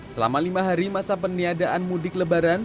selama lima hari masa peniadaan mudik lebaran